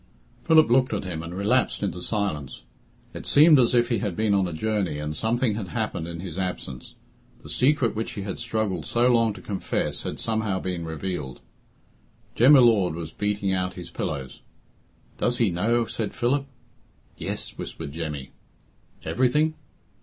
Philip looked at him and relapsed into silence. It seemed as if he had been on a journey and something had happened in his absence. The secret which he had struggled so long to confess had somehow been revealed. Jem y Lord was beating out his pillows. "Does he know?" said Philip. "Yes," whispered Jemmy. "Everything!"